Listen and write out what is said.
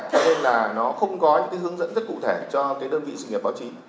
cho nên là nó không có những hướng dẫn rất cụ thể cho đơn vị sự nghiệp báo chí